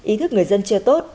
ý thức người dân chưa tốt